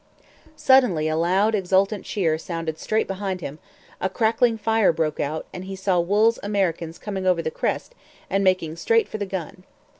Suddenly a loud, exultant cheer sounded straight behind him, a crackling fire broke out, and he saw Wool's Americans coming over the crest and making straight for the gun.